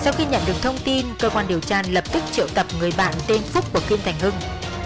sau khi nhận được thông tin cơ quan điều tra lập tức triệu tập người bạn tên phúc của kim thành hưng